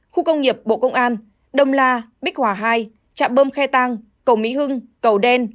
khu công nghiệp bộ công an đông la bích hòa hai trạm bôm khe tăng cầu mỹ hưng cầu đen